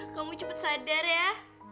kamu cepet sadar ya